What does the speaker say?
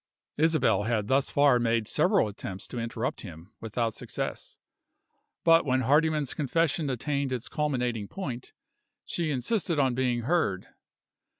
Isabel had thus far made several attempts to interrupt him, without success. But, when Hardyman's confession attained its culminating point, she insisted on being heard.